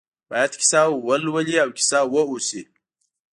باید کیسه ولولي او کیسه واوسي.